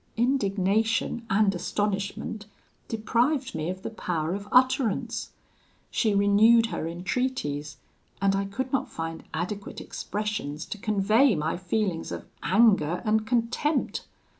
"Indignation and astonishment deprived me of the power of utterance. She renewed her entreaties, and I could not find adequate expressions to convey my feelings of anger and contempt.